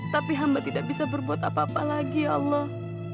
tapi hamba tidak bisa berbuat apa apa lagi ya allah